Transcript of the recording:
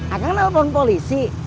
agaknya lo pelan polisi